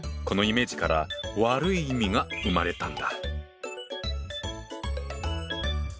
このイメージから悪い意味が生まれたんだ。